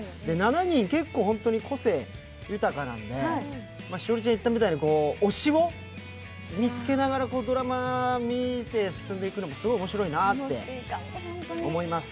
７人、結構、ホントに個性豊かなので栞里ちゃんが言ったみたいに推しを見つけながらドラマを見て進んでいくのもすごい面白いなって思います。